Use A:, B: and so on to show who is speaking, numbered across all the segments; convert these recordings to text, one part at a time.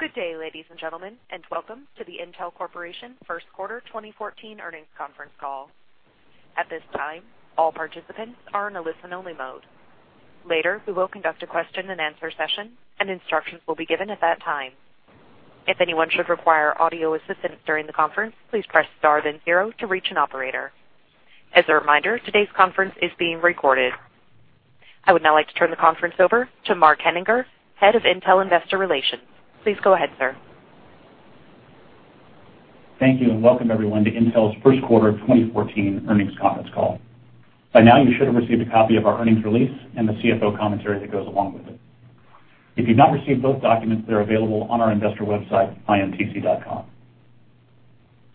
A: Good day, ladies and gentlemen, and welcome to the Intel Corporation First Quarter 2014 Earnings Conference Call. At this time, all participants are in a listen-only mode. Later, we will conduct a question and answer session, and instructions will be given at that time. If anyone should require audio assistance during the conference, please press star then zero to reach an operator. As a reminder, today's conference is being recorded. I would now like to turn the conference over to Mark Henninger, Head of Intel Investor Relations. Please go ahead, sir.
B: Thank you, and welcome everyone to Intel's First Quarter 2014 Earnings Conference Call. By now, you should have received a copy of our earnings release and the CFO commentary that goes along with it. If you've not received both documents, they're available on our investor website, intc.com.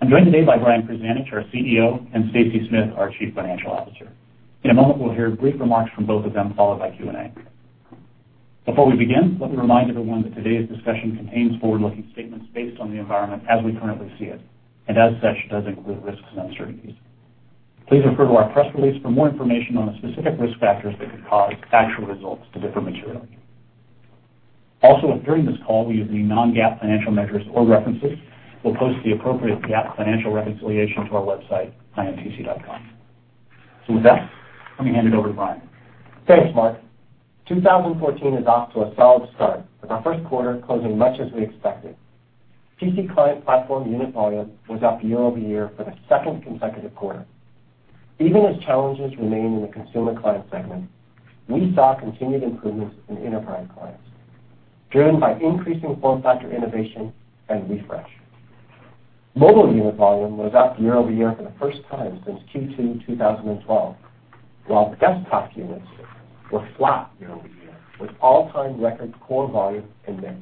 B: I'm joined today by Brian Krzanich, our CEO, and Stacy Smith, our Chief Financial Officer. In a moment, we'll hear brief remarks from both of them, followed by Q&A. Before we begin, let me remind everyone that today's discussion contains forward-looking statements based on the environment as we currently see it, and as such, does include risks and uncertainties. Please refer to our press release for more information on the specific risk factors that could cause actual results to differ materially. Also, if during this call we use any non-GAAP financial measures or references, we'll post the appropriate GAAP financial reconciliation to our website, intc.com. With that, let me hand it over to Brian.
C: Thanks, Mark. 2014 is off to a solid start, with our first quarter closing much as we expected. PC client platform unit volume was up year-over-year for the second consecutive quarter. Even as challenges remain in the consumer client segment, we saw continued improvements in enterprise clients, driven by increasing form factor innovation and refresh. Mobile unit volume was up year-over-year for the first time since Q2 2012, while desktop units were flat year-over-year, with all-time record core volume and mix.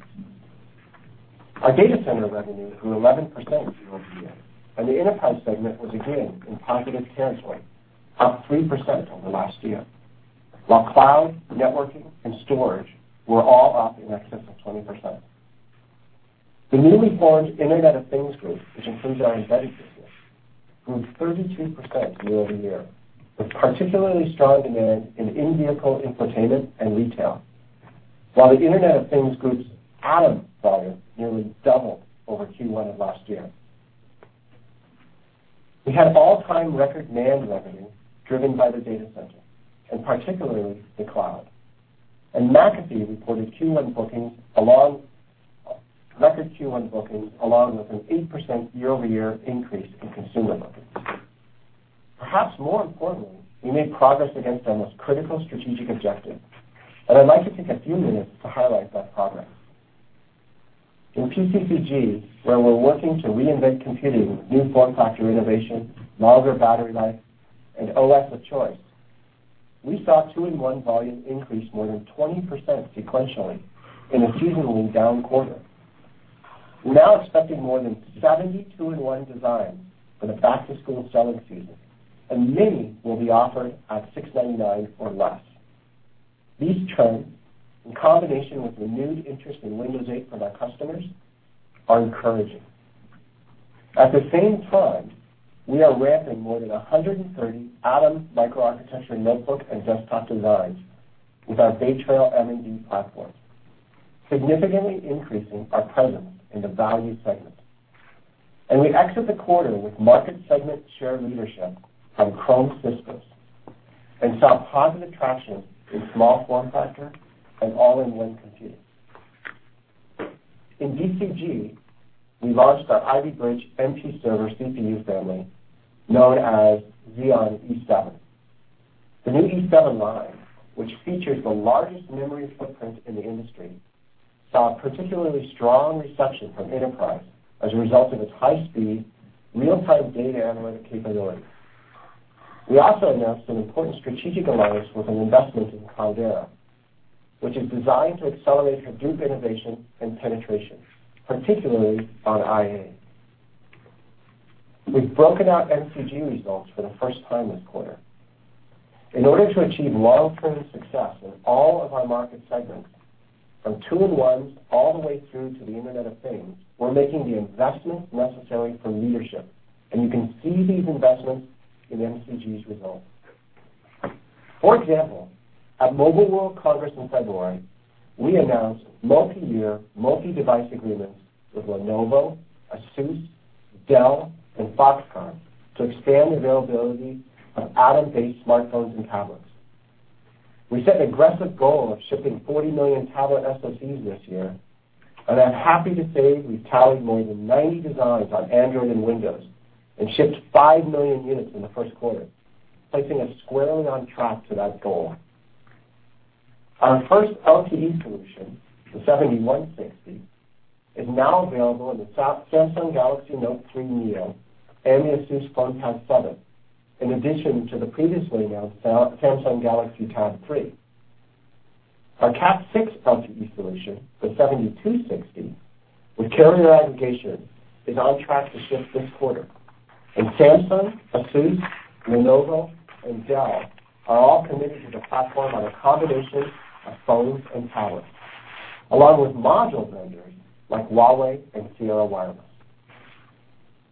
C: Our data center revenue grew 11% year-over-year, and the enterprise segment was again in positive territory, up 3% over last year, while cloud, networking, and storage were all up in excess of 20%. The newly formed Internet of Things Group, which includes our embedded business, grew 32% year-over-year, with particularly strong demand in in-vehicle infotainment and retail. While the Internet of Things Group's Atom volume nearly doubled over Q1 of last year. We had all-time record NAND revenue, driven by the Data Center, and particularly the cloud. McAfee reported record Q1 bookings, along with an 8% year-over-year increase in consumer bookings. Perhaps more importantly, we made progress against our most critical strategic objectives, and I'd like to take a few minutes to highlight that progress. In PCCG, where we're working to reinvent computing with new form factor innovation, longer battery life, and OS of choice, we saw two-in-one volume increase more than 20% sequentially in a seasonally down quarter. We're now expecting more than 70 two-in-one designs for the back-to-school selling season, and many will be offered at $699 or less. These trends, in combination with renewed interest in Windows 8 from our customers, are encouraging. At the same time, we are ramping more than 130 Atom microarchitecture notebook and desktop designs with our Bay Trail-M and Bay Trail-D platform, significantly increasing our presence in the value segment. We exit the quarter with market segment share leadership from Chrome systems and saw positive traction in small form factor and all-in-one computing. In DCG, we launched our Ivy Bridge MP server CPU family, known as Xeon E7. The new E7 line, which features the largest memory footprint in the industry, saw particularly strong reception from enterprise as a result of its high speed, real-time data analytic capability. We also announced an important strategic alliance with an investment in Cloudera, which is designed to accelerate Hadoop innovation and penetration, particularly on IA. We've broken out MCG results for the first time this quarter. In order to achieve long-term success in all of our market segments, from two-in-ones all the way through to the Internet of Things, we're making the investments necessary for leadership, and you can see these investments in MCG's results. For example, at Mobile World Congress in February, we announced multi-year, multi-device agreements with Lenovo, Asus, Dell, and Foxconn to expand the availability of Atom-based smartphones and tablets. We set an aggressive goal of shipping 40 million tablet SoCs this year, and I'm happy to say we've tallied more than 90 designs on Android and Windows and shipped 5 million units in the first quarter, placing us squarely on track to that goal. Our first LTE solution, the 7160, is now available on the Samsung Galaxy Note 3 Neo and the Asus Fonepad 7, in addition to the previously announced Samsung Galaxy Tab 3. Our Cat 6 LTE solution, the 7260, with carrier aggregation, is on track to ship this quarter. Samsung, Asus, Lenovo, and Dell are all committed to the platform on a combination of phones and tablets, along with module vendors like Huawei and Sierra Wireless.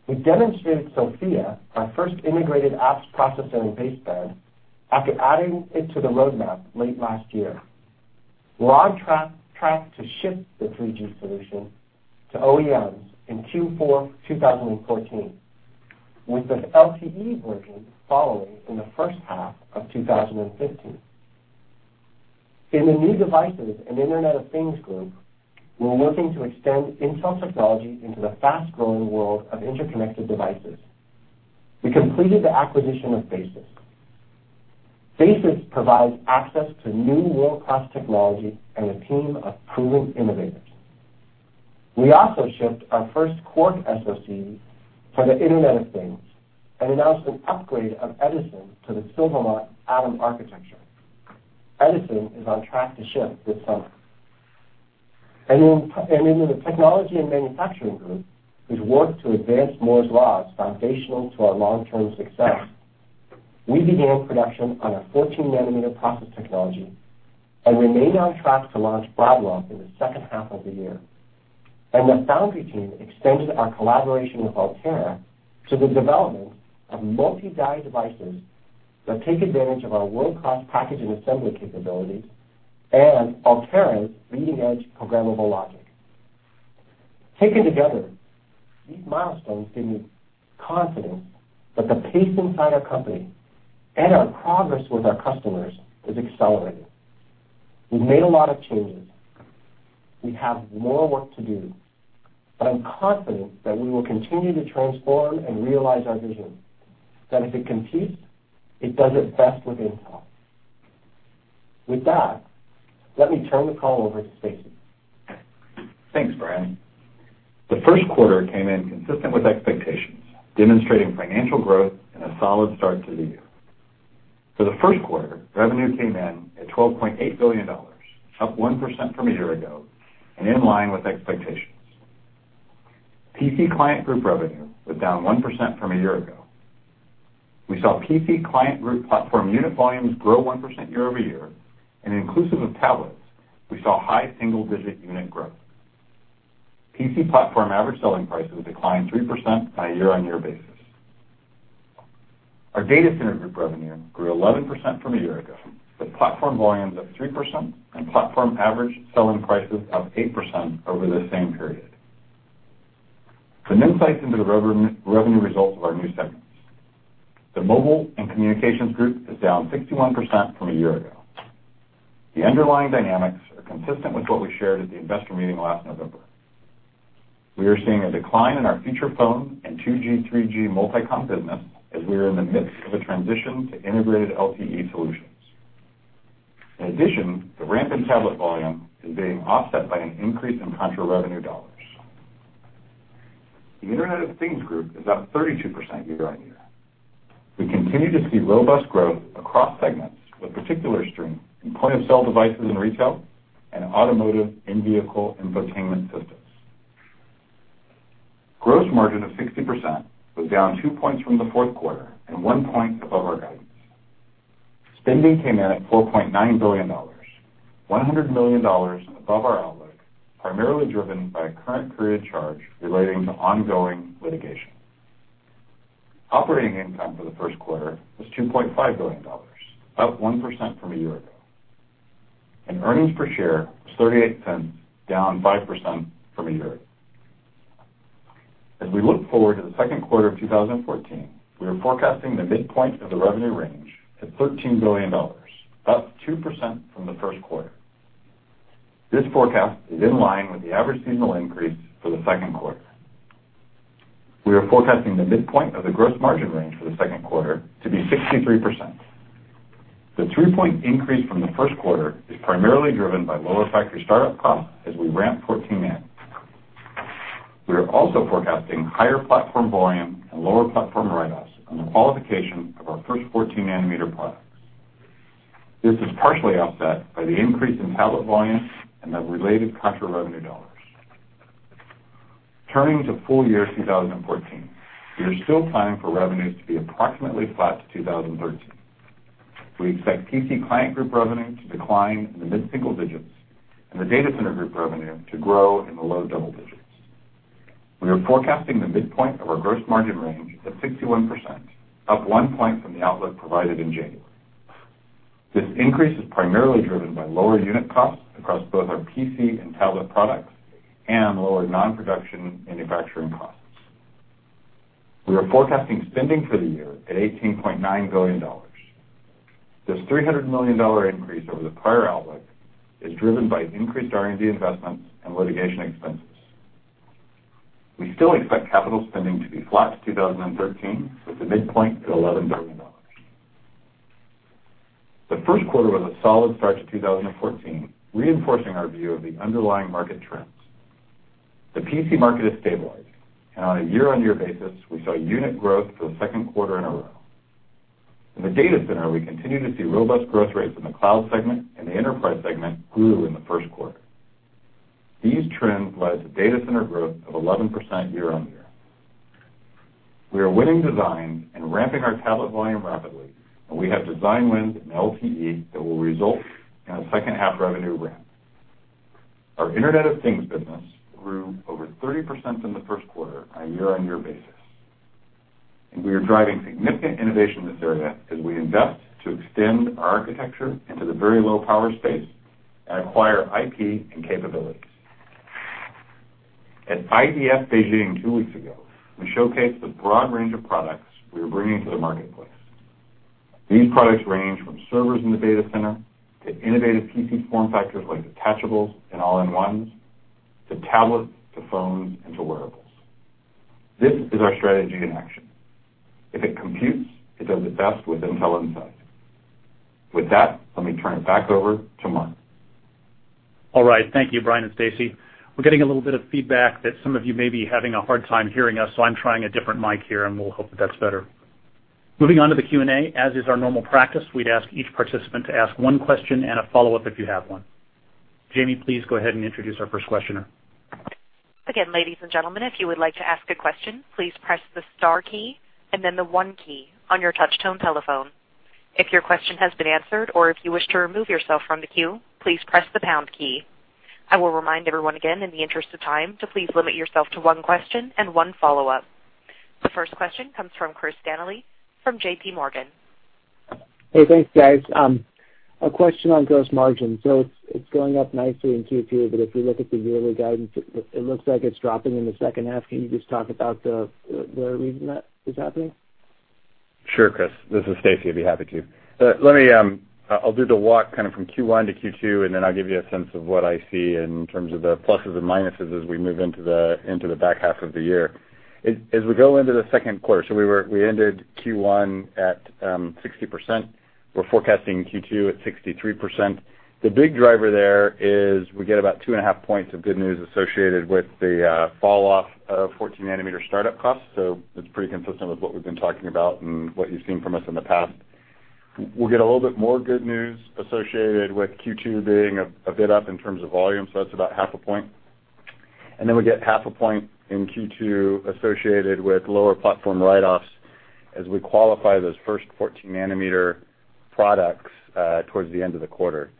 C: We demonstrated SoFIA, our first integrated apps processor and baseband, after adding it to the roadmap late last year. We're on track to ship the 3G solution to OEMs in Q4 2014, with the LTE version following in the first half of 2015. In the new devices and Internet of Things Group, we're working to extend Intel technology into the fast-growing world of interconnected devices. We completed the acquisition of Basis. Basis provides access to new world-class technology and a team of proven innovators. We also shipped our first Quark SoC for the Internet of Things and announced an upgrade of Edison to the Silvermont Atom architecture. Edison is on track to ship this summer. In the technology and manufacturing group, whose work to advance Moore's Law is foundational to our long-term success, we began production on our 14-nanometer process technology and remain on track to launch Broadwell in the second half of the year. The foundry team extended our collaboration with Altera to the development of multi-die devices that take advantage of our world-class package and assembly capabilities and Altera's leading-edge programmable logic. Taken together, these milestones give me confidence that the pace inside our company and our progress with our customers is accelerating. We've made a lot of changes. We have more work to do, but I'm confident that we will continue to transform and realize our vision. That if it competes, it does it best with Intel. With that, let me turn the call over to Stacy.
D: Thanks, Brian. The first quarter came in consistent with expectations, demonstrating financial growth and a solid start to the year. For the first quarter, revenue came in at $12.8 billion, up 1% from a year ago and in line with expectations. PC Client Group revenue was down 1% from a year ago. We saw PC Client Group platform unit volumes grow 1% year-over-year, and inclusive of tablets, we saw high single-digit unit growth. PC platform average selling prices declined 3% on a year-on-year basis. Our Data Center Group revenue grew 11% from a year ago, with platform volumes up 3% and platform average selling prices up 8% over the same period. Some insights into the revenue results of our new segments. The Mobile and Communications Group is down 61% from a year ago. The underlying dynamics are consistent with what we shared at the investor meeting last November. We are seeing a decline in our feature phone and 2G/3G Multi-Comm business as we are in the midst of a transition to integrated LTE solutions. In addition, the ramp in tablet volume is being offset by an increase in contra revenue dollars. The Internet of Things Group is up 32% year-on-year. We continue to see robust growth across segments, with particular strength in point-of-sale devices in retail and automotive in-vehicle infotainment systems. Gross margin of 60% was down two points from the fourth quarter and one point above our guidance. Spending came in at $4.9 billion, $100 million above our outlook, primarily driven by a current period charge relating to ongoing litigation. Operating income for the first quarter was $2.5 billion, up 1% from a year ago, and earnings per share was $0.38, down 5% from a year ago. As we look forward to the second quarter of 2014, we are forecasting the midpoint of the revenue range at $13 billion, up 2% from the first quarter. This forecast is in line with the average seasonal increase for the second quarter. We are forecasting the midpoint of the gross margin range for the second quarter to be 63%. The three-point increase from the first quarter is primarily driven by lower factory startup costs as we ramp 14-nanometer. We are also forecasting higher platform volume and lower platform write-offs on the qualification of our first 14-nanometer products. This is partially offset by the increase in tablet volume and the related contra-revenue dollars. Turning to full year 2014, we are still planning for revenues to be approximately flat to 2013. We expect PC Client Group revenue to decline in the mid-single digits and the Data Center Group revenue to grow in the low double digits. We are forecasting the midpoint of our gross margin range at 61%, up one point from the outlook provided in January. This increase is primarily driven by lower unit costs across both our PC and tablet products and lower non-production manufacturing costs. We are forecasting spending for the year at $18.9 billion. This $300 million increase over the prior outlook is driven by increased R&D investments and litigation expenses. We still expect capital spending to be flat to 2013, with the midpoint at $11 billion. The first quarter was a solid start to 2014, reinforcing our view of the underlying market trends. The PC market has stabilized, and on a year-on-year basis, we saw unit growth for the second quarter in a row. In the data center, we continue to see robust growth rates in the cloud segment, and the enterprise segment grew in the first quarter. These trends led to data center growth of 11% year-on-year. We are winning designs and ramping our tablet volume rapidly, and we have design wins in LTE that will result in a second-half revenue ramp.
C: Our Internet of Things business grew over 30% in the first quarter on a year-on-year basis. We are driving significant innovation in this area as we invest to extend our architecture into the very low power space and acquire IP and capabilities. At IDF Beijing two weeks ago, we showcased the broad range of products we are bringing to the marketplace. These products range from servers in the data center to innovative PC form factors like detachables and all-in-ones, to tablets, to phones, and to wearables. This is our strategy in action. If it computes, it does it best with Intel inside. With that, let me turn it back over to Mark.
B: Thank you, Brian and Stacy. We're getting a little bit of feedback that some of you may be having a hard time hearing us, so I'm trying a different mic here, and we'll hope that that's better. Moving on to the Q&A. As is our normal practice, we'd ask each participant to ask one question and a follow-up if you have one. Jamie, please go ahead and introduce our first questioner.
A: Again, ladies and gentlemen, if you would like to ask a question, please press the star key and then the one key on your touch-tone telephone. If your question has been answered or if you wish to remove yourself from the queue, please press the pound key. I will remind everyone again, in the interest of time, to please limit yourself to one question and one follow-up. The first question comes from Christopher Danely from JPMorgan.
E: Hey, thanks, guys. A question on gross margin. It's going up nicely in Q2, but if we look at the yearly guidance, it looks like it's dropping in the second half. Can you just talk about the reason that is happening?
D: Sure, Chris. This is Stacy. I'd be happy to. I'll do the walk from Q1 to Q2, and then I'll give you a sense of what I see in terms of the pluses and minuses as we move into the back half of the year. As we go into the second quarter, so we ended Q1 at 60%. We're forecasting Q2 at 63%. The big driver there is we get about 2.5 points of good news associated with the falloff of 14-nanometer startup costs. That's pretty consistent with what we've been talking about and what you've seen from us in the past. We'll get a little bit more good news associated with Q2 being a bit up in terms of volume, so that's about 0.5 points. We get half a point in Q2 associated with lower platform write-offs as we qualify those first 14-nanometer products towards the end of the quarter.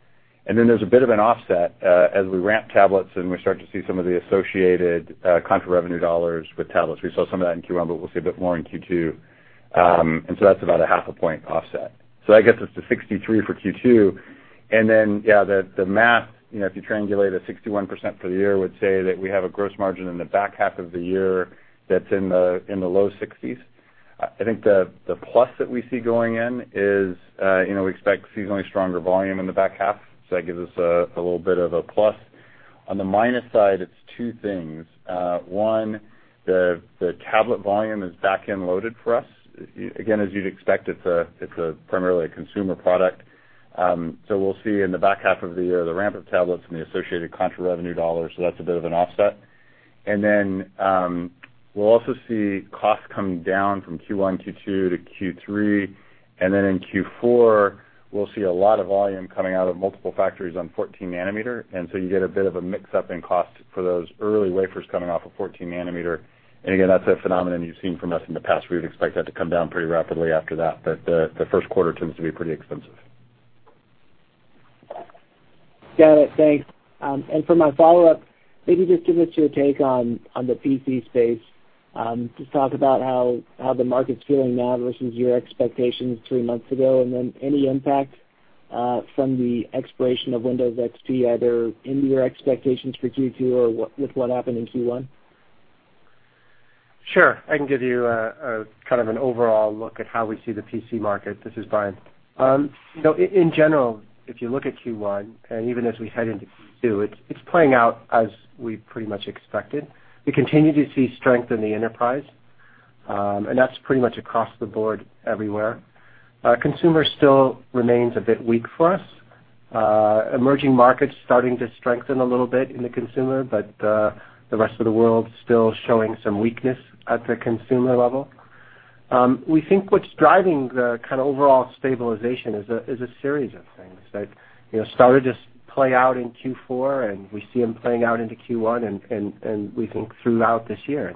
D: There's a bit of an offset as we ramp tablets and we start to see some of the associated contra-revenue dollars with tablets. We saw some of that in Q1, but we'll see a bit more in Q2. That's about a half a point offset. I guess it's the 63 for Q2. Yeah, the math, if you triangulate a 61% for the year, would say that we have a gross margin in the back half of the year that's in the low 60s. I think the plus that we see going in is we expect seasonally stronger volume in the back half, that gives us a little bit of a plus. On the minus side, it's two things. One, the tablet volume is back-end loaded for us. Again, as you'd expect, it's primarily a consumer product. We'll see in the back half of the year, the ramp of tablets and the associated contra-revenue dollars, that's a bit of an offset. We'll also see costs coming down from Q1, Q2 to Q3. In Q4, we'll see a lot of volume coming out of multiple factories on 14-nanometer, you get a bit of a mix-up in cost for those early wafers coming off of 14-nanometer. That's a phenomenon you've seen from us in the past. We would expect that to come down pretty rapidly after that. The first quarter tends to be pretty expensive.
E: Got it. Thanks. For my follow-up, maybe just give us your take on the PC space. Just talk about how the market's feeling now versus your expectations three months ago, then any impact from the expiration of Windows XP, either in your expectations for Q2 or with what happened in Q1?
C: Sure. I can give you an overall look at how we see the PC market. This is Brian. In general, if you look at Q1, even as we head into Q2, it's playing out as we pretty much expected. We continue to see strength in the enterprise, that's pretty much across the board everywhere. Consumer still remains a bit weak for us. Emerging markets starting to strengthen a little bit in the consumer, the rest of the world still showing some weakness at the consumer level. We think what's driving the overall stabilization is a series of things that started to play out in Q4, we see them playing out into Q1, we think throughout this year.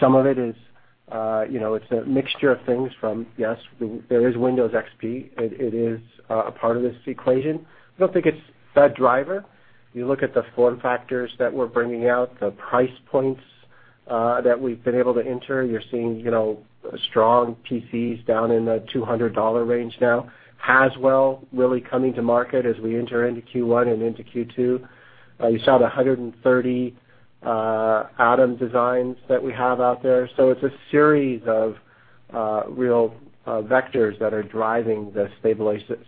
C: Some of it is a mixture of things from, yes, there is Windows XP. It is a part of this equation. I don't think it's the driver. You look at the form factors that we're bringing out, the price points that we've been able to enter, and you're seeing strong PCs down in the $200 range now. Haswell really coming to market as we enter into Q1 and into Q2. You saw the 130 Atom designs that we have out there. It's a series of real vectors that are driving the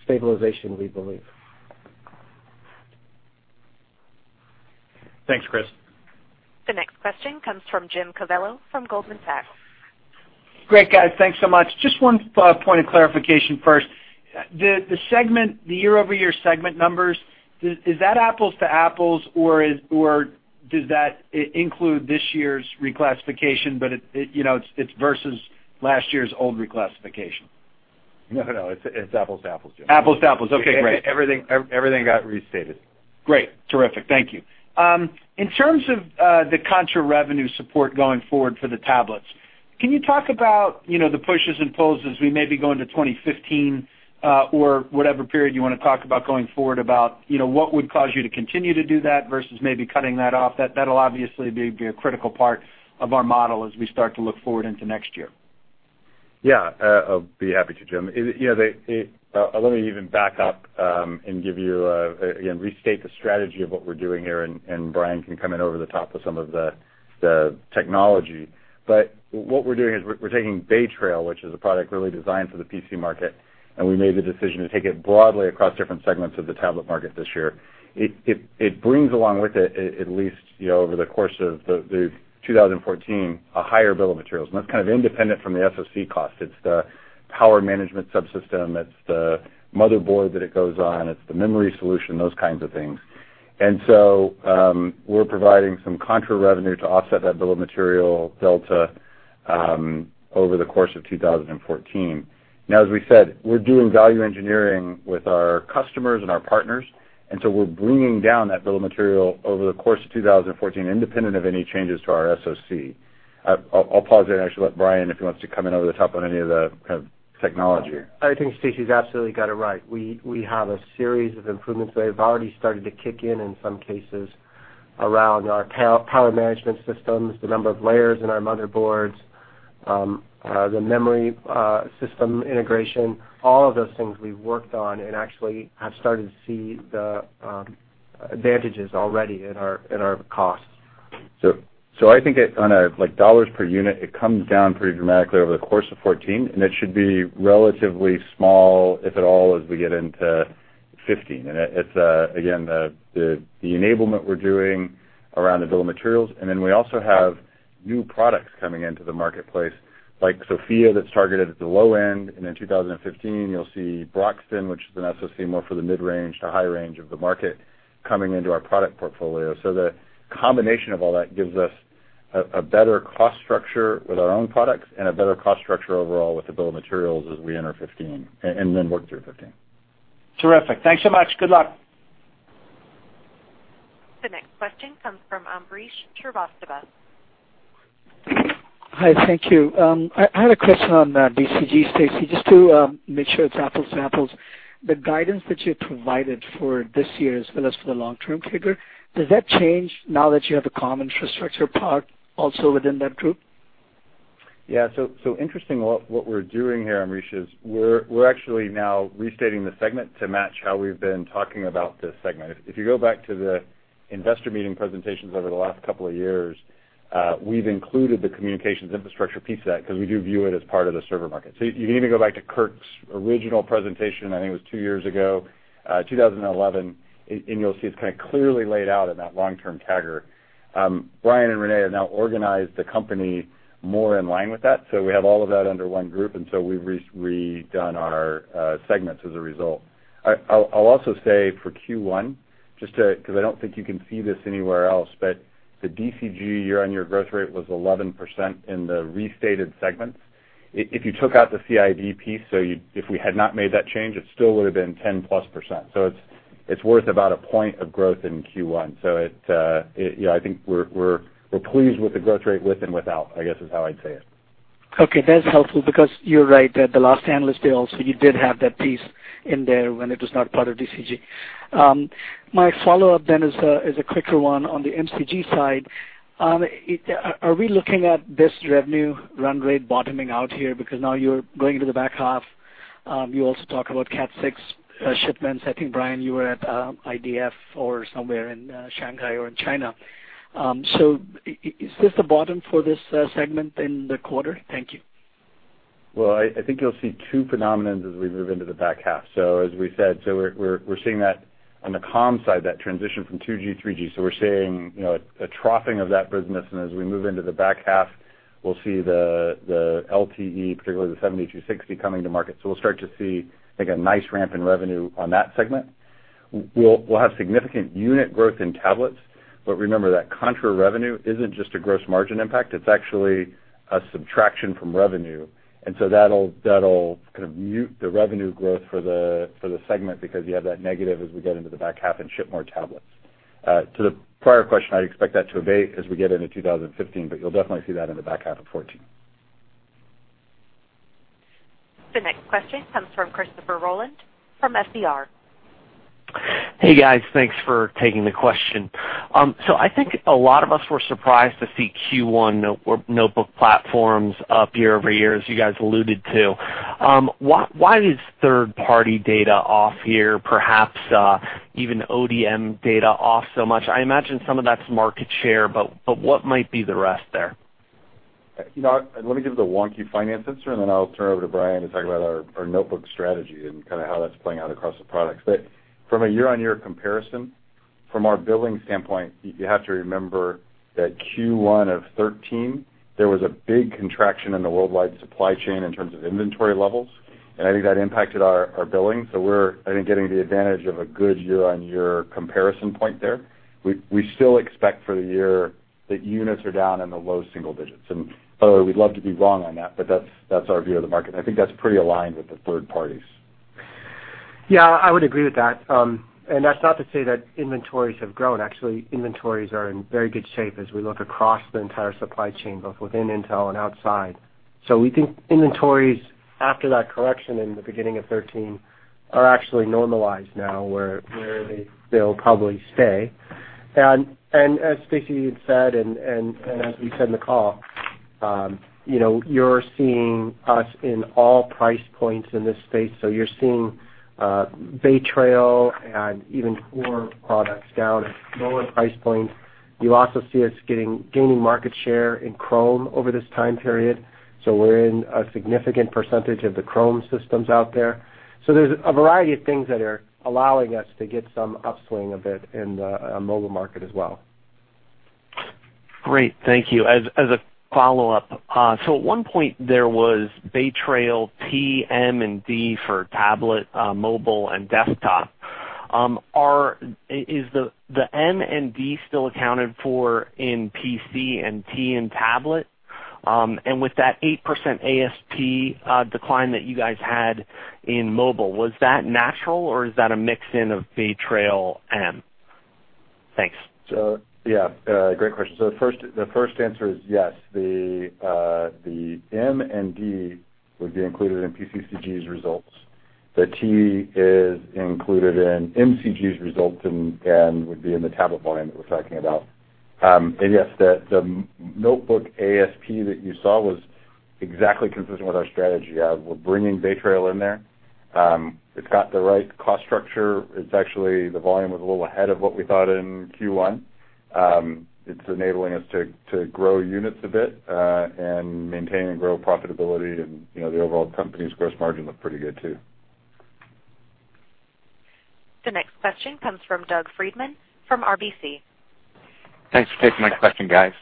C: stabilization, we believe.
B: Thanks, Chris.
A: The next question comes from James Covello from Goldman Sachs.
F: Great, guys. Thanks so much. Just one point of clarification first. The year-over-year segment numbers, is that apples to apples, or does that include this year's reclassification, but it's versus last year's old reclassification?
D: No, it's apples to apples, Jim.
F: Apples to apples. Okay, great.
D: Everything got restated.
F: Great. Terrific. Thank you. In terms of the contra-revenue support going forward for the tablets? Can you talk about the pushes and pulls as we maybe go into 2015, or whatever period you want to talk about going forward, about what would cause you to continue to do that versus maybe cutting that off? That'll obviously be a critical part of our model as we start to look forward into next year.
D: I'll be happy to, Jim. Let me even back up and restate the strategy of what we're doing here, and Brian can come in over the top of some of the technology. What we're doing is we're taking Bay Trail, which is a product really designed for the PC market, and we made the decision to take it broadly across different segments of the tablet market this year. It brings along with it, at least over the course of 2014, a higher bill of materials, and that's kind of independent from the SoC cost. It's the power management subsystem, it's the motherboard that it goes on, it's the memory solution, those kinds of things. We're providing some contra revenue to offset that bill of material delta over the course of 2014. As we said, we're doing value engineering with our customers and our partners, we're bringing down that bill of material over the course of 2014, independent of any changes to our SoC. I'll pause there and actually let Brian, if he wants to come in over the top on any of the kind of technology.
C: I think Stacy's absolutely got it right. We have a series of improvements that have already started to kick in some cases, around our power management systems, the number of layers in our motherboards, the memory system integration. All of those things we've worked on and actually have started to see the advantages already in our costs.
D: I think on a dollars per unit, it comes down pretty dramatically over the course of 2014, and it should be relatively small, if at all, as we get into 2015. It's, again, the enablement we're doing around the bill of materials, and then we also have new products coming into the marketplace, like SoFIA, that's targeted at the low end, and in 2015, you'll see Broxton, which is an SoC more for the mid-range to high range of the market, coming into our product portfolio. The combination of all that gives us a better cost structure with our own products and a better cost structure overall with the bill of materials as we enter 2015 and then work through 2015.
F: Terrific. Thanks so much. Good luck.
A: The next question comes from Ambrish Srivastava.
G: Hi, thank you. I had a question on DCG, Stacy, just to make sure it's apples to apples. The guidance that you provided for this year as well as for the long-term figure, does that change now that you have a comm infrastructure part also within that group?
D: Yeah. Interesting, what we're doing here, Ambrish, is we're actually now restating the segment to match how we've been talking about this segment. If you go back to the investor meeting presentations over the last couple of years, we've included the communications infrastructure piece of that because we do view it as part of the server market. You can even go back to Kirk's original presentation, I think it was two years ago, 2011, and you'll see it's kind of clearly laid out in that long-term CAGR. Brian and Renée have now organized the company more in line with that. We have all of that under one group. We've redone our segments as a result. I'll also say for Q1, just because I don't think you can see this anywhere else, the DCG year-on-year growth rate was 11% in the restated segments. If you took out the CID piece, if we had not made that change, it still would've been 10-plus %. It's worth about a point of growth in Q1. I think we're pleased with the growth rate with and without, I guess, is how I'd say it.
G: That's helpful because you're right, at the last analyst day also, you did have that piece in there when it was not part of DCG. My follow-up then is a quicker one on the MCG side. Are we looking at this revenue run rate bottoming out here because now you're going to the back half? You also talk about Cat 6 shipments. I think, Brian, you were at IDF or somewhere in Shanghai or in China. Is this the bottom for this segment in the quarter? Thank you.
D: Well, I think you'll see two phenomenons as we move into the back half. As we said, we're seeing that on the comms side, that transition from 2G, 3G. We're seeing a troughing of that business, and as we move into the back half, we'll see the LTE, particularly the 7260 coming to market. We'll start to see, I think, a nice ramp in revenue on that segment. We'll have significant unit growth in tablets, but remember that contra-revenue isn't just a gross margin impact, it's actually a subtraction from revenue, and that'll kind of mute the revenue growth for the segment because you have that negative as we get into the back half and ship more tablets. To the prior question, I expect that to abate as we get into 2015, but you'll definitely see that in the back half of 2014.
A: The next question comes from Christopher Rolland from FBR.
H: Hey, guys. Thanks for taking the question. I think a lot of us were surprised to see Q1 notebook platforms up year-over-year, as you guys alluded to. Why is third-party data off here, perhaps even ODM data off so much? I imagine some of that's market share, but what might be the rest there?
D: Let me give the one key finance answer, then I'll turn it over to Brian to talk about our notebook strategy and kind of how that's playing out across the products. From a year-on-year comparison, from our billing standpoint, you have to remember that Q1 of 2013, there was a big contraction in the worldwide supply chain in terms of inventory levels, I think that impacted our billing. We're, I think, getting the advantage of a good year-on-year comparison point there. We still expect for the year that units are down in the low single digits. By the way, we'd love to be wrong on that, but that's our view of the market, and I think that's pretty aligned with the third parties.
C: Yeah, I would agree with that. That's not to say that inventories have grown. Actually, inventories are in very good shape as we look across the entire supply chain, both within Intel and outside. We think inventories, after that correction in the beginning of 2013, are actually normalized now, where they'll probably stay. As Stacy had said, as we said in the call, you're seeing us in all price points in this space. You're seeing Bay Trail and even Core products down at lower price points. You also see us gaining market share in Chrome over this time period. We're in a significant percentage of the Chrome systems out there. There's a variety of things that are allowing us to get some upswing a bit in the mobile market as well.
H: Great, thank you. As a follow-up, at one point, there was Bay Trail T, M, and D for tablet, mobile, and desktop. Is the M and D still accounted for in PC and T in tablet? With that 8% ASP decline that you guys had in mobile, was that natural, or is that a mix in of Bay Trail M? Thanks.
D: Yeah, great question. The first answer is yes. The M and D would be included in PCCG's results. The T is included in MCG's results and would be in the tablet volume that we're talking about. Yes, the notebook ASP that you saw was exactly consistent with our strategy of we're bringing Bay Trail in there. It's got the right cost structure. It's actually, the volume was a little ahead of what we thought in Q1. It's enabling us to grow units a bit, and maintain and grow profitability. The overall company's gross margin looked pretty good, too.
A: The next question comes from Doug Freedman from RBC.
I: Thanks for taking my question, guys.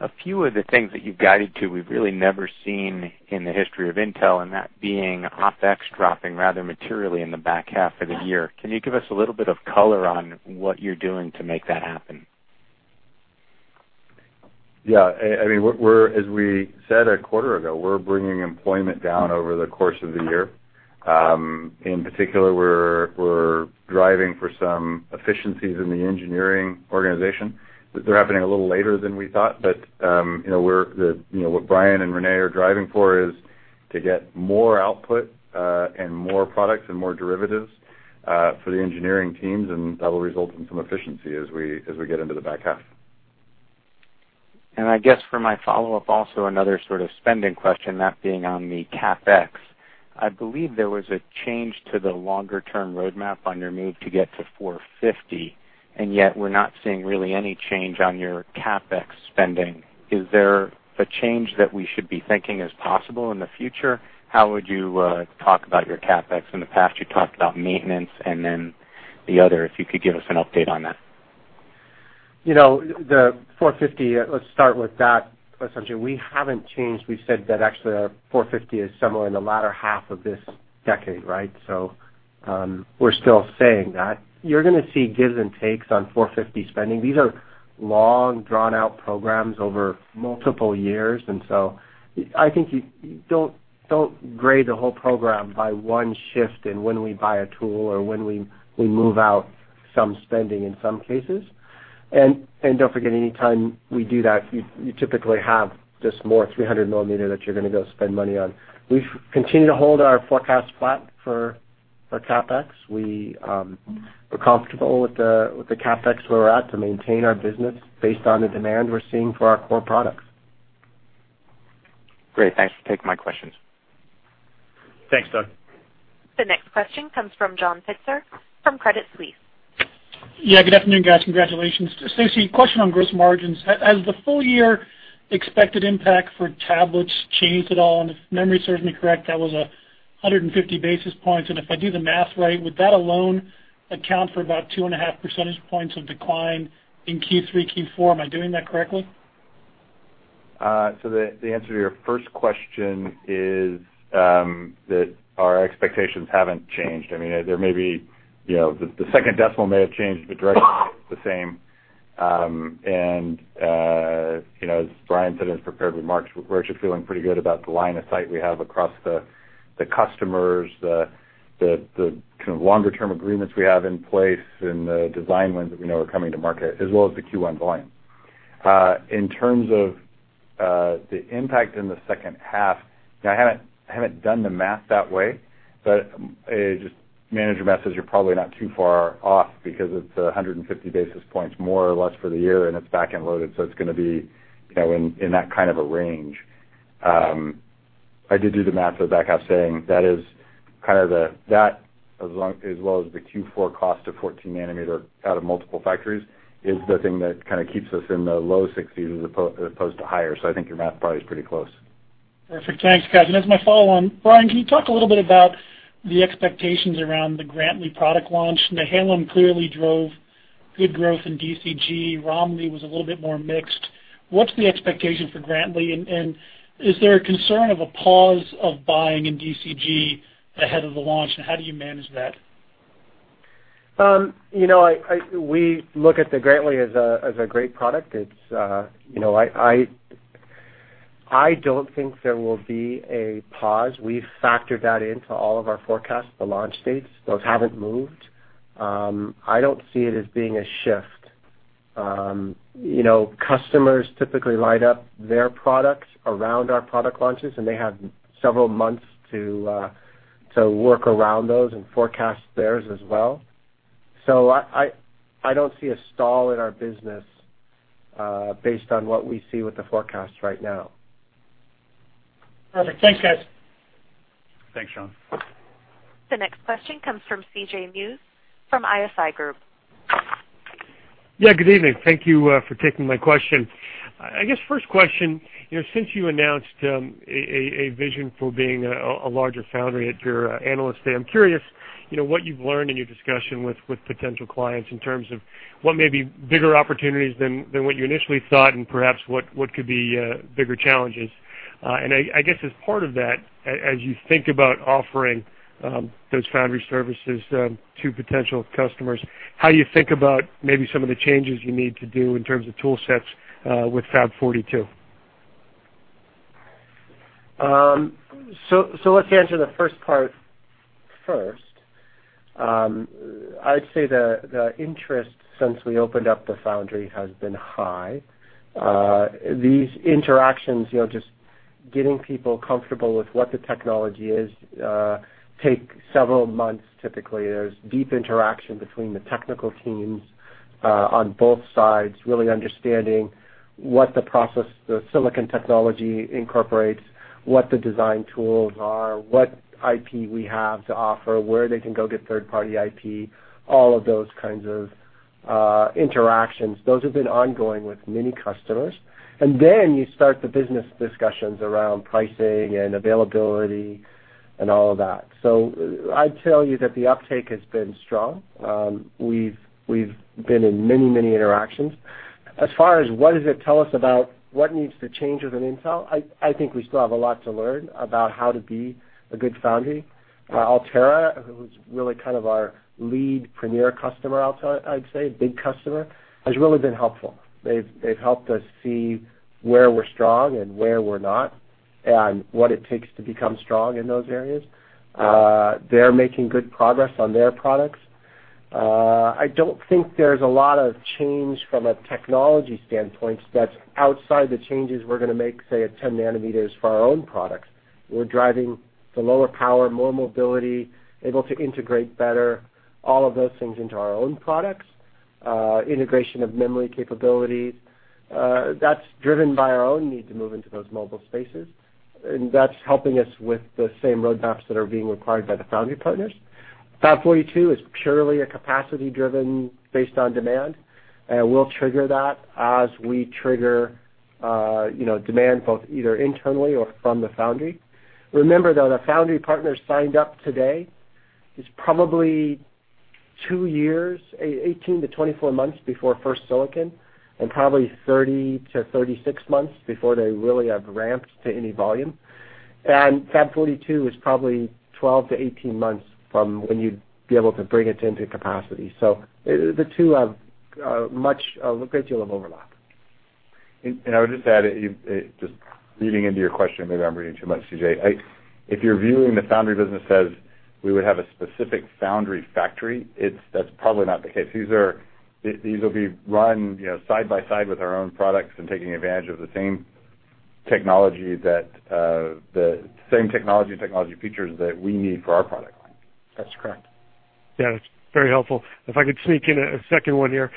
I: A few of the things that you've guided to, we've really never seen in the history of Intel, and that being OpEx dropping rather materially in the back half of the year. Can you give us a little bit of color on what you're doing to make that happen?
D: Yeah. As we said a quarter ago, we're bringing employment down over the course of the year. In particular, we're driving for some efficiencies in the engineering organization. They're happening a little later than we thought, but what Brian and Renée are driving for is to get more output and more products and more derivatives for the engineering teams. That will result in some efficiency as we get into the back half.
I: I guess for my follow-up, also another sort of spending question, that being on the CapEx. I believe there was a change to the longer-term roadmap on your move to get to 450mm, yet we're not seeing really any change on your CapEx spending. Is there a change that we should be thinking is possible in the future? How would you talk about your CapEx? In the past, you talked about maintenance, then the other, if you could give us an update on that.
C: The 450mm, let's start with that assumption. We haven't changed. We said that actually our 450mm is somewhere in the latter half of this decade. We're still saying that. You're going to see gives and takes on 450mm spending. These are long, drawn-out programs over multiple years, so I think you don't grade the whole program by one shift in when we buy a tool or when we move out some spending in some cases. Don't forget, any time we do that, you typically have just more 300 millimeter that you're going to go spend money on. We've continued to hold our forecast flat for CapEx. We're comfortable with the CapEx where we're at to maintain our business based on the demand we're seeing for our core products.
I: Great. Thanks for taking my questions.
D: Thanks, Doug.
A: The next question comes from John Pitzer from Credit Suisse.
J: Yeah, good afternoon, guys. Congratulations. Stacy, question on gross margins. Has the full-year expected impact for tablets changed at all? If memory serves me correct, that was 150 basis points, and if I do the math right, would that alone account for about two and a half percentage points of decline in Q3, Q4? Am I doing that correctly?
D: The answer to your first question is that our expectations haven't changed. The second decimal may have changed, but directionally, it's the same. As Brian said in his prepared remarks, we're actually feeling pretty good about the line of sight we have across the customers, the longer-term agreements we have in place, and the design wins that we know are coming to market, as well as the Q1 volume. In terms of the impact in the second half, I haven't done the math that way, but just manager message, you're probably not too far off because it's 150 basis points, more or less, for the year, and it's back-end loaded, so it's going to be in that kind of a range. I did do the math for the back half saying that, as well as the Q4 cost of 14-nanometer out of multiple factories, is the thing that keeps us in the low 60s as opposed to higher. I think your math probably is pretty close.
J: Perfect. Thanks, guys. As my follow-on, Brian, can you talk a little bit about the expectations around the Grantley product launch? Nehalem clearly drove good growth in DCG. Romley was a little bit more mixed. What's the expectation for Grantley, and is there a concern of a pause of buying in DCG ahead of the launch, and how do you manage that?
C: We look at the Grantley as a great product. I don't think there will be a pause. We've factored that into all of our forecasts, the launch dates. Those haven't moved. I don't see it as being a shift. Customers typically line up their products around our product launches, and they have several months to work around those and forecast theirs as well. I don't see a stall in our business, based on what we see with the forecast right now.
J: Perfect. Thanks, guys.
D: Thanks, John.
A: The next question comes from C.J. Muse from ISI Group.
K: Yeah, good evening. Thank you for taking my question. I guess first question, since you announced a vision for being a larger foundry at your Analyst Day, I'm curious what you've learned in your discussion with potential clients in terms of what may be bigger opportunities than what you initially thought, and perhaps what could be bigger challenges. I guess as part of that, as you think about offering those foundry services to potential customers, how you think about maybe some of the changes you need to do in terms of tool sets with Fab 42.
C: Let's answer the first part first. I'd say the interest since we opened up the foundry has been high. These interactions, just getting people comfortable with what the technology is, take several months typically. There's deep interaction between the technical teams on both sides, really understanding what the process the silicon technology incorporates, what the design tools are, what IP we have to offer, where they can go get third-party IP, all of those kinds of interactions. Those have been ongoing with many customers. Then you start the business discussions around pricing and availability and all of that. I'd tell you that the uptake has been strong. We've been in many, many interactions. As far as what does it tell us about what needs to change within Intel, I think we still have a lot to learn about how to be a good foundry. Altera, who's really kind of our lead premier customer, I'd say, big customer, has really been helpful. They've helped us see where we're strong and where we're not, and what it takes to become strong in those areas. They're making good progress on their products. I don't think there's a lot of change from a technology standpoint that's outside the changes we're going to make, say, at 10 nanometers for our own products. We're driving the lower power, more mobility, able to integrate better, all of those things into our own products. Integration of memory capabilities. That's driven by our own need to move into those mobile spaces. That's helping us with the same roadmaps that are being required by the foundry partners. Fab 42 is purely a capacity driven based on demand. We'll trigger that as we trigger demand both either internally or from the foundry. Remember, though, the foundry partners signed up today, is probably two years, 18-24 months before first silicon, and probably 30-36 months before they really have ramped to any volume. Fab 42 is probably 12-18 months from when you'd be able to bring it into capacity. The two have a great deal of overlap.
D: I would just add, just reading into your question, maybe I'm reading too much, C.J. If you're viewing the foundry business as we would have a specific foundry factory, that's probably not the case. These will be run side by side with our own products and taking advantage of the same technology and technology features that we need for our product line.
C: That's correct.
K: Yeah, that's very helpful. If I could sneak in a second one here.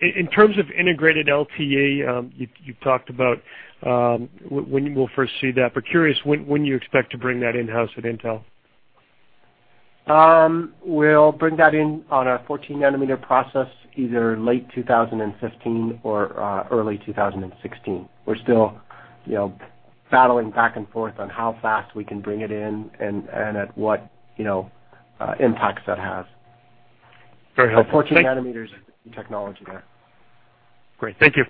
K: In terms of integrated LTE, you've talked about when we'll first see that, but curious, when do you expect to bring that in-house at Intel?
C: We'll bring that in on a 14-nanometer process either late 2015 or early 2016. We're still battling back and forth on how fast we can bring it in and at what impacts that has.
K: Very helpful. Thanks.
C: 14-nanometer technology there.
K: Great. Thank you.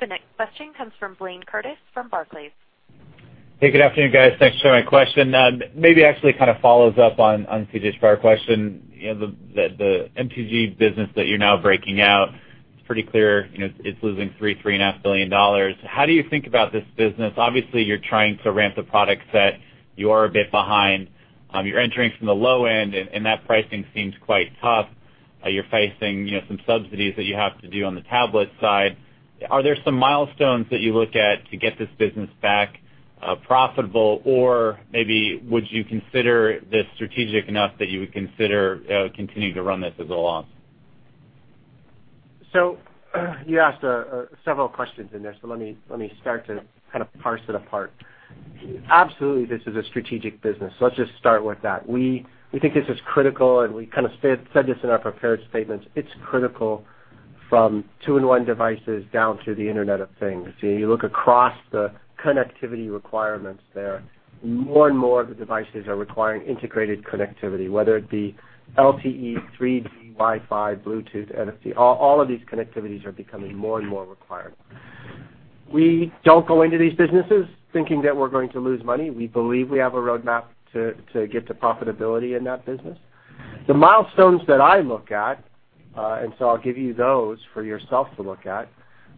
A: The next question comes from Blayne Curtis from Barclays.
L: Hey, good afternoon, guys. Thanks for taking my question. Maybe actually kind of follows up on C.J. Muse's prior question. The MCG business that you're now breaking out, it's pretty clear it's losing $3 billion-$3.5 billion. How do you think about this business? Obviously, you're trying to ramp the product set. You are a bit behind. You're entering from the low end, and that pricing seems quite tough. You're facing some subsidies that you have to do on the tablet side. Are there some milestones that you look at to get this business back profitable? Or maybe would you consider this strategic enough that you would consider continuing to run this as a loss?
C: You asked several questions in there, let me start to kind of parse it apart. Absolutely, this is a strategic business. Let's just start with that. We think this is critical, and we kind of said this in our prepared statements. It's critical from two-in-one devices down to the Internet of Things. You look across the connectivity requirements there. More and more of the devices are requiring integrated connectivity, whether it be LTE, 3G, Wi-Fi, Bluetooth, NFC. All of these connectivities are becoming more and more required. We don't go into these businesses thinking that we're going to lose money. We believe we have a roadmap to get to profitability in that business. The milestones that I look at, I'll give you those for yourself to look at.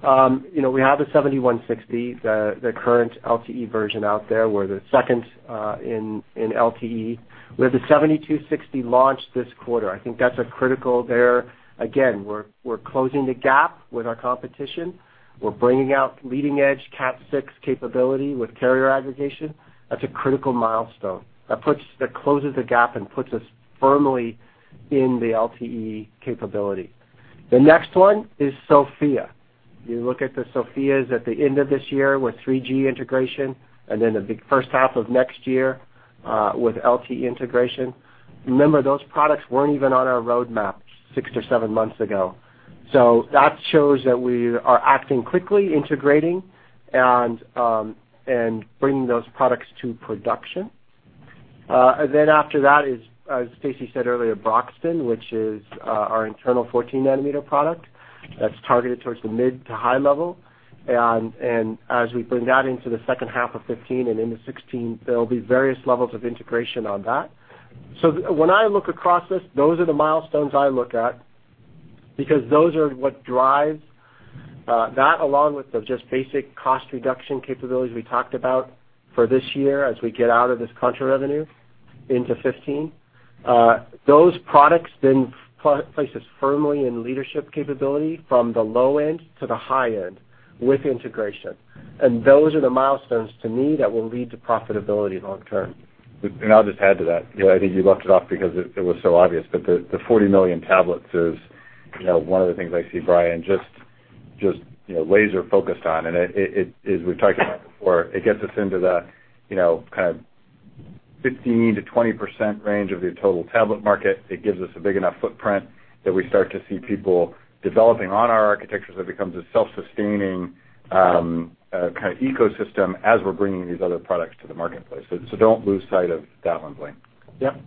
C: We have the 7160, the current LTE version out there. We're the second in LTE. We have the 7260 launch this quarter. I think that's critical there. Again, we're closing the gap with our competition. We're bringing out leading edge Cat 6 capability with carrier aggregation. That's a critical milestone. That closes the gap and puts us firmly in the LTE capability. The next one is SoFIA. You look at the SoFIAs at the end of this year with 3G integration, the big first half of next year, with LTE integration. Remember, those products weren't even on our roadmap six or seven months ago. That shows that we are acting quickly, integrating, and bringing those products to production. After that, as Stacy Smith said earlier, Broxton, which is our internal 14-nanometer product that's targeted towards the mid to high level. As we bring that into the second half of 2015 and into 2016, there'll be various levels of integration on that. When I look across this, those are the milestones I look at because those are what drives. That along with the just basic cost reduction capabilities we talked about for this year as we get out of this contra-revenue into 2015. Those products then place us firmly in leadership capability from the low end to the high end with integration. Those are the milestones to me that will lead to profitability long term.
D: I'll just add to that. I think you left it off because it was so obvious, but the 40 million tablets is one of the things I see Brian just laser focused on. As we've talked about before, it gets us into the 15%-20% range of the total tablet market. It gives us a big enough footprint that we start to see people developing on our architectures. It becomes a self-sustaining kind of ecosystem as we're bringing these other products to the marketplace. Don't lose sight of that one, Blayne.
C: Yep.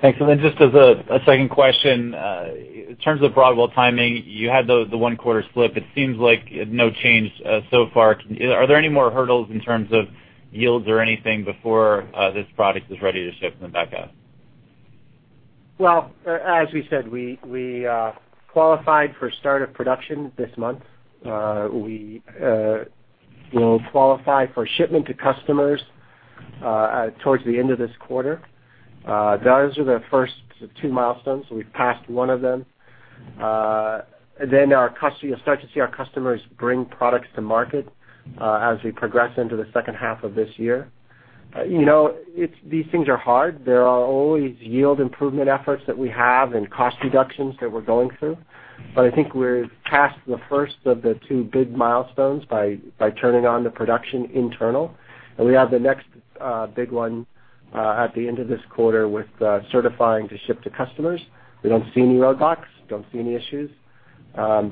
L: Thanks. Just as a second question, in terms of Broadwell timing, you had the one quarter slip. It seems like no change so far. Are there any more hurdles in terms of yields or anything before this product is ready to ship from the back end?
C: As we said, we qualified for start of production this month. We will qualify for shipment to customers towards the end of this quarter. Those are the first two milestones, we've passed one of them. You'll start to see our customers bring products to market as we progress into the second half of this year. These things are hard. There are always yield improvement efforts that we have and cost reductions that we're going through. I think we're past the first of the two big milestones by turning on the production internal, and we have the next big one at the end of this quarter with certifying to ship to customers. We don't see any roadblocks, don't see any issues.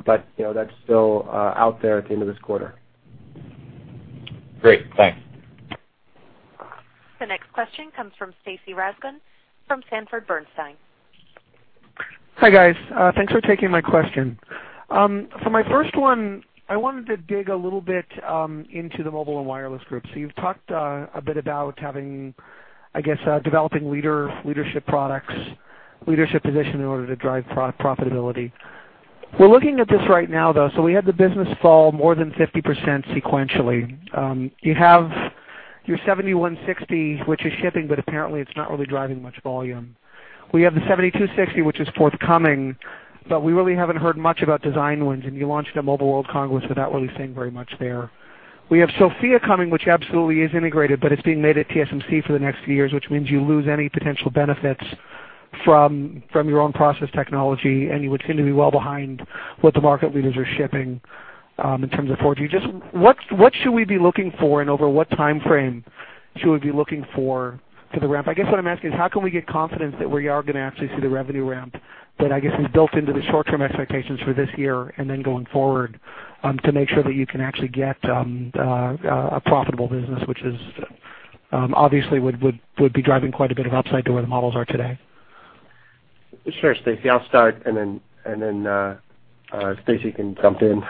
C: That's still out there at the end of this quarter.
L: Great. Thanks.
A: The next question comes from Stacy Rasgon from Sanford Bernstein.
M: Hi, guys. Thanks for taking my question. For my first one, I wanted to dig a little bit into the mobile and wireless group. You've talked a bit about having, I guess, developing leadership products, leadership position in order to drive profitability. We're looking at this right now, though. We had the business fall more than 50% sequentially. You have your 7160, which is shipping, but apparently it's not really driving much volume. We have the 7260, which is forthcoming, but we really haven't heard much about design wins, and you launched at Mobile World Congress without really seeing very much there. We have SoFIA coming, which absolutely is integrated, but it's being made at TSMC for the next few years, which means you lose any potential benefits from your own process technology, and you would seem to be well behind what the market leaders are shipping in terms of 4G. Just what should we be looking for, and over what timeframe should we be looking for the ramp? I guess what I'm asking is how can we get confidence that we are going to actually see the revenue ramp that I guess is built into the short-term expectations for this year and then going forward, to make sure that you can actually get a profitable business, which obviously would be driving quite a bit of upside to where the models are today?
C: Sure, Stacy. I'll start, and then Stacy can jump in.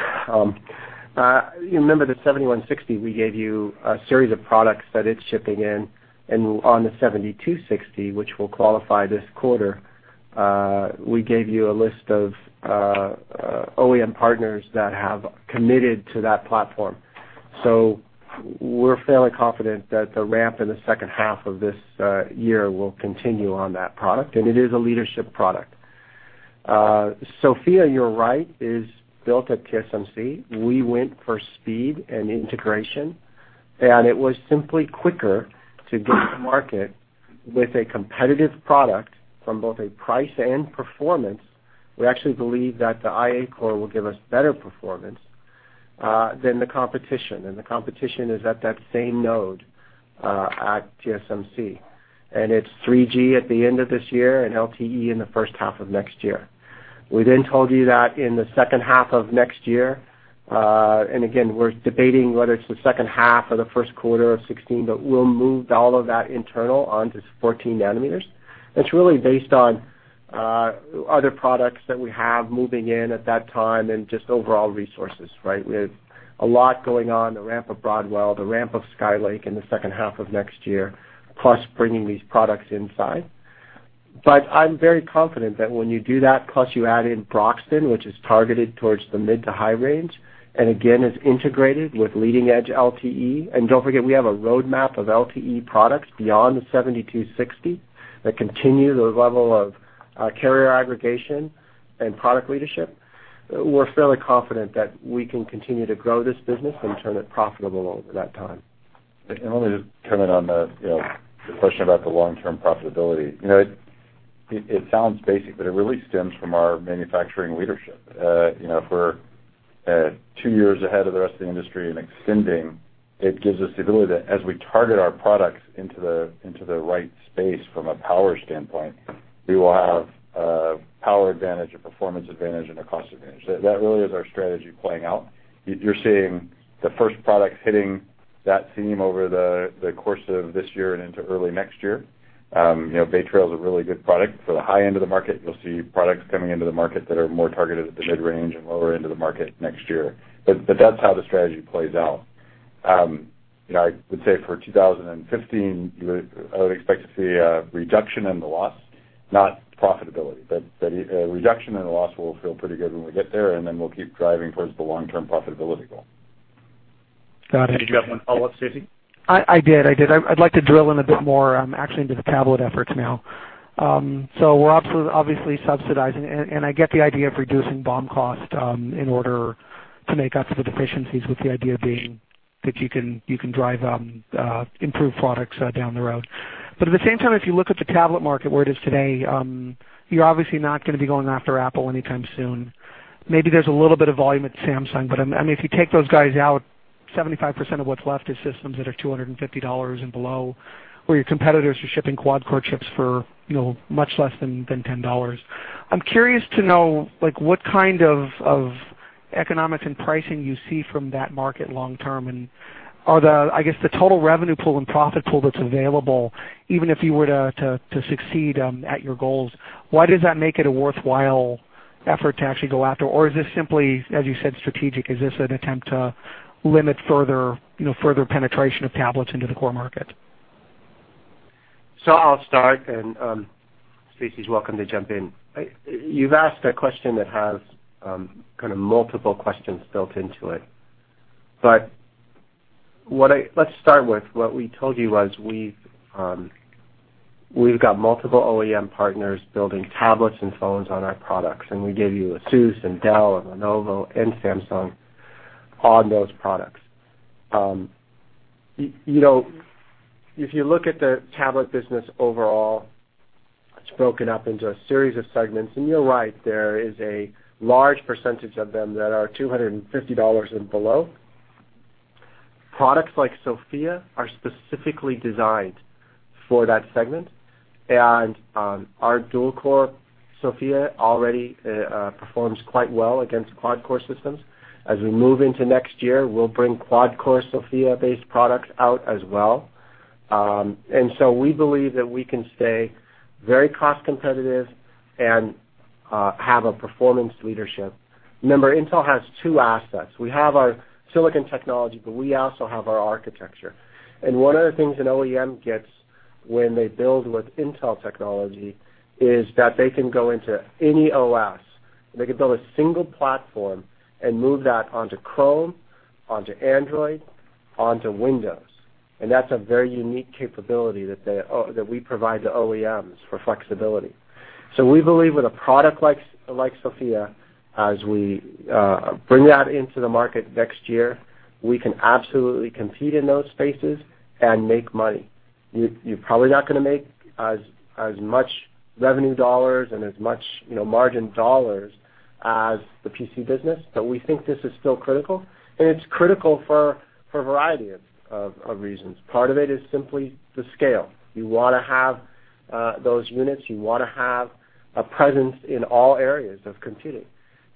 C: Remember the 7160, we gave you a series of products that it is shipping in, and on the 7260, which will qualify this quarter, we gave you a list of OEM partners that have committed to that platform. We are fairly confident that the ramp in the second half of this year will continue on that product, and it is a leadership product. SoFIA, you are right, is built at TSMC. We went for speed and integration, and it was simply quicker to get to market with a competitive product from both a price and performance. We actually believe that the IA core will give us better performance than the competition, and the competition is at that same node at TSMC, and it is 3G at the end of this year and LTE in the first half of next year. We told you that in the second half of next year, and again, we are debating whether it is the second half or the first quarter of 2016, but we will move all of that internal onto 14-nanometer. It is really based on Other products that we have moving in at that time and just overall resources, right? We have a lot going on, the ramp of Broadwell, the ramp of Skylake in the second half of next year, plus bringing these products inside. I am very confident that when you do that, plus you add in Broxton, which is targeted towards the mid to high range, and again, is integrated with leading edge LTE. Do not forget, we have a roadmap of LTE products beyond 7260 that continue the level of carrier aggregation and product leadership. We are fairly confident that we can continue to grow this business and turn it profitable over that time.
D: Let me just comment on the question about the long-term profitability. It sounds basic, but it really stems from our manufacturing leadership. If we are two years ahead of the rest of the industry and extending, it gives us the ability that as we target our products into the right space from a power standpoint, we will have a power advantage, a performance advantage, and a cost advantage. That really is our strategy playing out. You are seeing the first products hitting that theme over the course of this year and into early next year. Bay Trail is a really good product for the high end of the market. You will see products coming into the market that are more targeted at the mid-range and lower end of the market next year. That is how the strategy plays out. I would say for 2015, I would expect to see a reduction in the loss, not profitability. A reduction in the loss will feel pretty good when we get there, and then we'll keep driving towards the long-term profitability goal.
M: Got it.
D: Did you have one follow-up, Stacy?
M: I did. I'd like to drill in a bit more, actually into the tablet efforts now. We're obviously subsidizing, and I get the idea of reducing BOM cost in order to make up for the deficiencies, with the idea being that you can drive improved products down the road. At the same time, if you look at the tablet market where it is today, you're obviously not going to be going after Apple anytime soon. Maybe there's a little bit of volume at Samsung, but if you take those guys out, 75% of what's left is systems that are $250 and below, where your competitors are shipping quad-core chips for much less than $10. I'm curious to know what kind of economics and pricing you see from that market long term, and I guess the total revenue pool and profit pool that's available, even if you were to succeed at your goals, why does that make it a worthwhile effort to actually go after? Or is this simply, as you said, strategic? Is this an attempt to limit further penetration of tablets into the core market?
C: I'll start, and Stacy's welcome to jump in. You've asked a question that has kind of multiple questions built into it. Let's start with what we told you was we've got multiple OEM partners building tablets and phones on our products, and we gave you Asus and Dell and Lenovo and Samsung on those products. If you look at the tablet business overall, it's broken up into a series of segments, and you're right, there is a large percentage of them that are $250 and below. Products like SoFIA are specifically designed for that segment, and our dual-core SoFIA already performs quite well against quad-core systems. As we move into next year, we'll bring quad-core SoFIA-based products out as well. We believe that we can stay very cost competitive and have a performance leadership. Remember, Intel has two assets. We have our silicon technology, but we also have our architecture. One of the things an OEM gets when they build with Intel technology is that they can go into any OS, and they can build a single platform and move that onto Chrome, onto Android, onto Windows. That's a very unique capability that we provide to OEMs for flexibility. We believe with a product like SoFIA, as we bring that into the market next year, we can absolutely compete in those spaces and make money. You're probably not going to make as much revenue dollars and as much margin dollars as the PC business, but we think this is still critical, and it's critical for a variety of reasons. Part of it is simply the scale. You want to have those units, you want to have a presence in all areas of computing.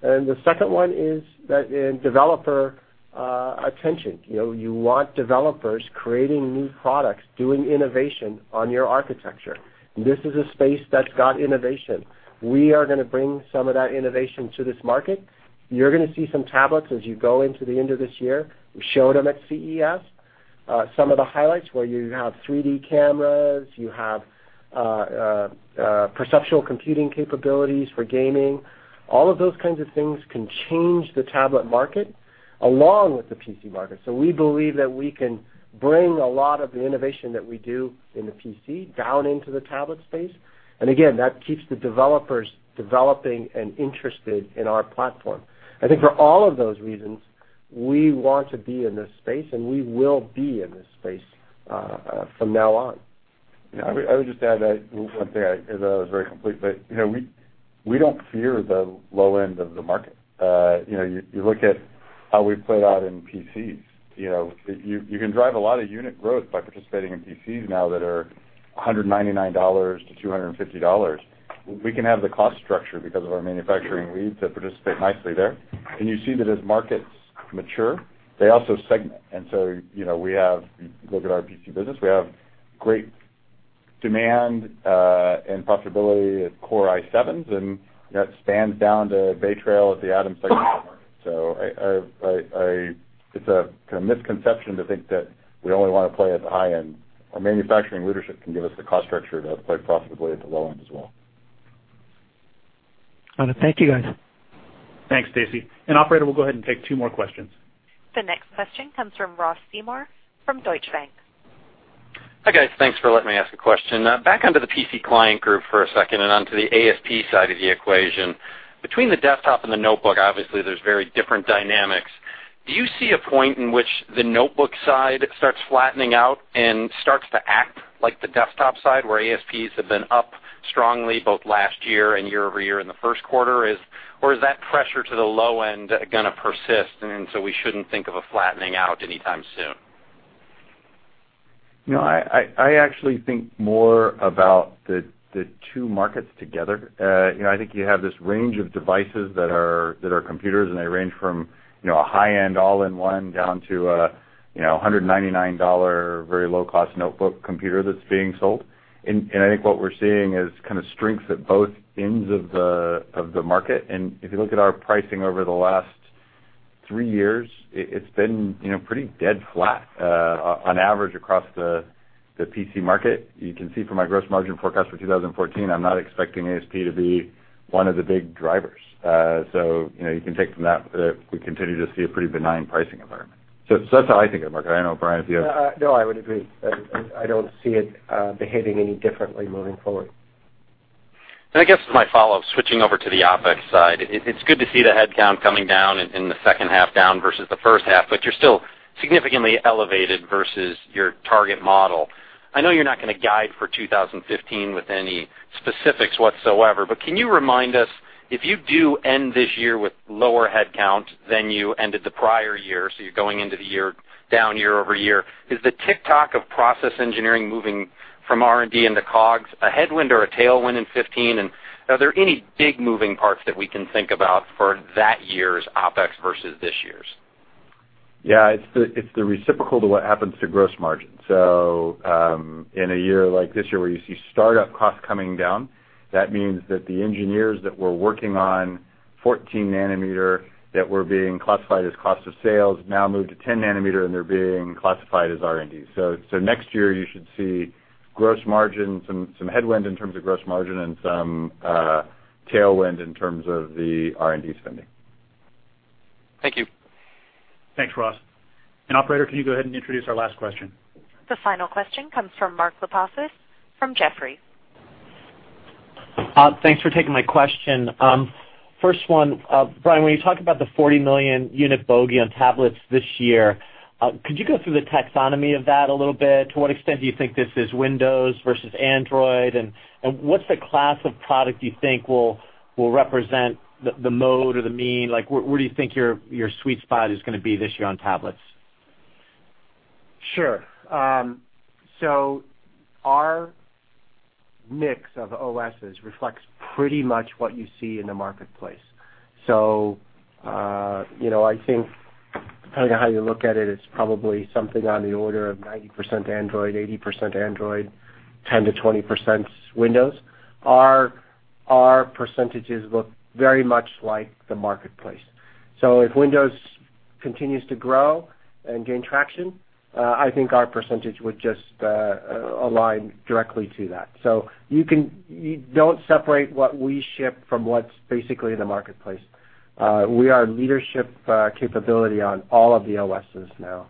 C: The second one is that in developer attention, you want developers creating new products, doing innovation on your architecture. This is a space that's got innovation. We are going to bring some of that innovation to this market. You're going to see some tablets as you go into the end of this year. We showed them at CES. Some of the highlights where you have 3D cameras, you have perceptual computing capabilities for gaming. All of those kinds of things can change the tablet market along with the PC market. We believe that we can bring a lot of the innovation that we do in the PC down into the tablet space. Again, that keeps the developers developing and interested in our platform. I think for all of those reasons, we want to be in this space, and we will be in this space from now on.
D: I would just add one thing, although that was very complete, we don't fear the low end of the market. You look at how we've played out in PCs. You can drive a lot of unit growth by participating in PCs now that are $199-$250. We can have the cost structure because of our manufacturing lead to participate nicely there. You see that as markets mature, they also segment. If you look at our PC business, we have great Demand and profitability at Core i7s, and that spans down to Bay Trail at the Atom segment. It's a misconception to think that we only want to play at the high end. Our manufacturing leadership can give us the cost structure to play profitably at the low end as well.
M: All right. Thank you, guys.
C: Thanks, Stacy. Operator, we'll go ahead and take two more questions.
A: The next question comes from Ross Seymore from Deutsche Bank.
N: Hi, guys. Thanks for letting me ask a question. Back onto the PC Client Group for a second and onto the ASP side of the equation. Between the desktop and the notebook, obviously, there's very different dynamics. Do you see a point in which the notebook side starts flattening out and starts to act like the desktop side, where ASPs have been up strongly both last year and year-over-year in the first quarter? Or is that pressure to the low end going to persist, and so we shouldn't think of a flattening out anytime soon?
D: I actually think more about the two markets together. I think you have this range of devices that are computers, they range from a high-end all-in-one down to a $199 very low-cost notebook computer that's being sold. I think what we're seeing is kind of strength at both ends of the market. If you look at our pricing over the last three years, it's been pretty dead flat on average across the PC market. You can see from my gross margin forecast for 2014, I'm not expecting ASP to be one of the big drivers. You can take from that, we continue to see a pretty benign pricing environment. That's how I think of the market. I don't know, Brian, if you have-
C: I would agree. I don't see it behaving any differently moving forward.
N: I guess my follow-up, switching over to the OpEx side, it's good to see the headcount coming down in the second half down versus the first half, but you're still significantly elevated versus your target model. I know you're not going to guide for 2015 with any specifics whatsoever, but can you remind us, if you do end this year with lower headcount than you ended the prior year, so you're going into the year down year-over-year, is the tick-tock of process engineering moving from R&D into COGS a headwind or a tailwind in 2015? Are there any big moving parts that we can think about for that year's OpEx versus this year's?
D: Yeah, it's the reciprocal to what happens to gross margin. In a year like this year, where you see start-up costs coming down, that means that the engineers that were working on 14-nanometer that were being classified as cost of sales now move to 10 nanometer, and they're being classified as R&D. Next year, you should see some headwind in terms of gross margin and some tailwind in terms of the R&D spending.
N: Thank you.
C: Thanks, Ross. Operator, can you go ahead and introduce our last question?
A: The final question comes from Mark Lipacis from Jefferies.
O: Thanks for taking my question. First one, Brian, when you talk about the 40 million unit bogey on tablets this year, could you go through the taxonomy of that a little bit? To what extent do you think this is Windows versus Android? What's the class of product you think will represent the mode or the mean? Where do you think your sweet spot is going to be this year on tablets?
C: Sure. Our mix of OSes reflects pretty much what you see in the marketplace. I think, depending on how you look at it's probably something on the order of 90% Android, 80% Android, 10% to 20% Windows. Our percentages look very much like the marketplace. If Windows continues to grow and gain traction, I think our percentage would just align directly to that. Don't separate what we ship from what's basically in the marketplace. We are leadership capability on all of the OSes now.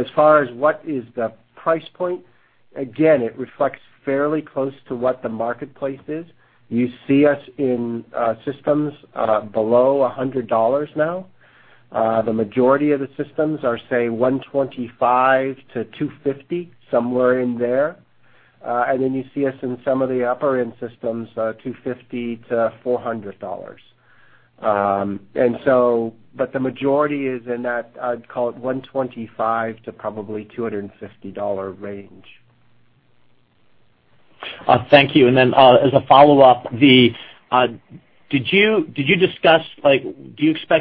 C: As far as what is the price point, again, it reflects fairly close to what the marketplace is. You see us in systems below $100 now. The majority of the systems are, say, $125-$250, somewhere in there. You see us in some of the upper-end systems, $250-$400. The majority is in that, I'd call it $125-$250 range.
O: Thank you. As a follow-up, do you expect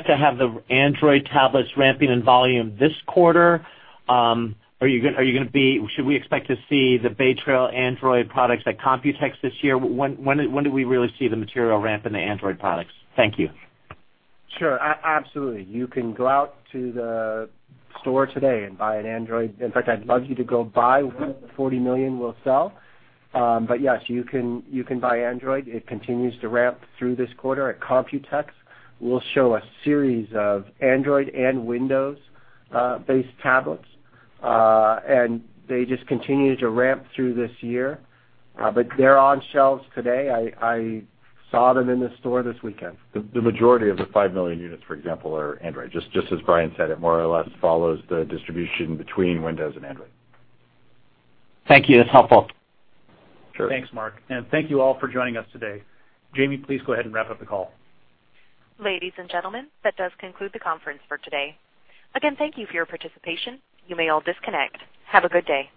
O: to have the Android tablets ramping in volume this quarter? Should we expect to see the Bay Trail Android products at Computex this year? When do we really see the material ramp in the Android products? Thank you.
C: Sure. Absolutely. You can go out to the store today and buy an Android. In fact, I'd love you to go buy one of the 40 million we'll sell. Yes, you can buy Android. It continues to ramp through this quarter. At Computex, we'll show a series of Android and Windows-based tablets. They just continue to ramp through this year. They're on shelves today. I saw them in the store this weekend.
D: The majority of the five million units, for example, are Android. Just as Brian said, it more or less follows the distribution between Windows and Android.
O: Thank you. That's helpful.
D: Sure.
C: Thanks, Mark. Thank you all for joining us today. Jamie, please go ahead and wrap up the call.
A: Ladies and gentlemen, that does conclude the conference for today. Again, thank you for your participation. You may all disconnect. Have a good day.